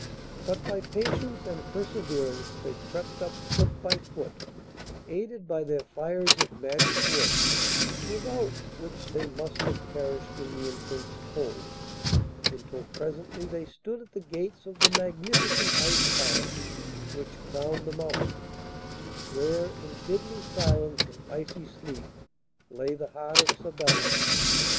But by patience and perseverance they crept up foot by foot, aided by their fires of magic wood, without which they must have perished in the intense cold, until presently they stood at the gates of the magnificent Ice Palace which crowned the mountain, where, in deadly silence and icy sleep, lay the heart of Sabella.